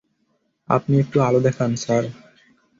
আপনি একটু আলো দেখান, স্যার।